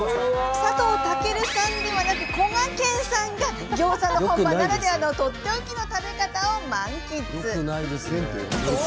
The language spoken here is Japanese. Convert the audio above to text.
佐藤健さんではなくてこがけんさんがギョーザの本場ならではのとっておきの食べ方を満喫。